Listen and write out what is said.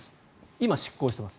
今、失効しています。